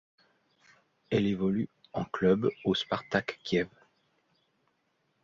Elle évolue en club au Spartak Kiev.